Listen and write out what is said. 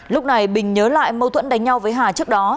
lúc này bình nhớ lại mâu thuẫn đánh nhau với hà trước đó